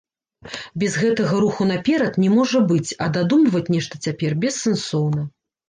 Без гэтага руху наперад не можа быць, а дадумваць нешта цяпер бессэнсоўна.